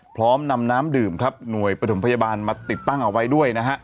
พร้อมนำน้ำดื่มครับหน่วยปฐมพยาบาลมาติดตั้งเอาไว้ด้วยนะฮะ